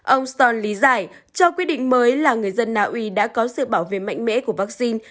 ông stolt lý giải cho quyết định mới là người dân naui đã có sự bảo vệ mạnh mẽ của vaccine